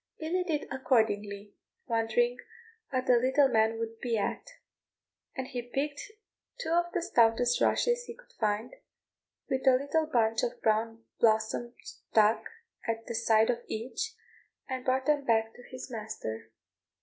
Billy did accordingly, wondering what the little man would be at; and he picked two of the stoutest rushes he could find, with a little bunch of brown blossom stuck at the side of each, and brought them back to his master.